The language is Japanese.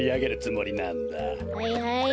はいはい。